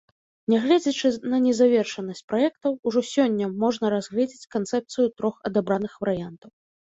Нягледзячы на незавершанасць праектаў, ужо сёння можна разгледзець канцэпцыю трох адабраных варыянтаў.